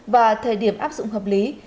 và thời điểm áp dụng hợp lý